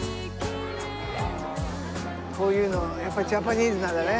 こういうのやっぱりジャパニーズなんだね。